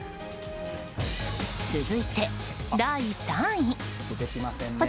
続いて第３位。